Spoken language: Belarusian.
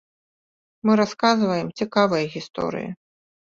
Мы расказваем цікавыя гісторыі.